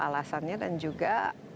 alasannya dan juga